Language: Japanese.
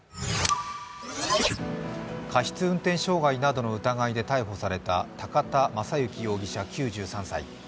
過失運転傷害などの疑いで逮捕され高田正行容疑者９３歳。